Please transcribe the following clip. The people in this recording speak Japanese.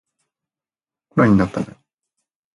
コロナになったナリ